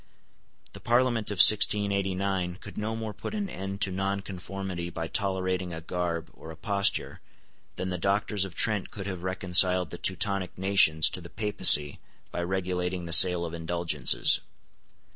The Parliament of 1689 could no more put an end to nonconformity by tolerating a garb or a posture than the Doctors of Trent could have reconciled the Teutonic nations to the Papacy by regulating the sale of indulgences.